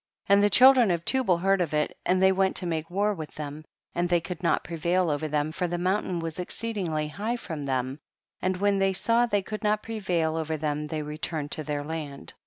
10. And the children of Tubal heard of it aiid they went to make war with them, and they could not prevail over them, for the mountain was exceedingly high from them, and when they saw they could not pre vail over them they returned to their land.